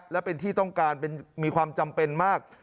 และเป็นที่ต้องการมีความจำเป็นมาก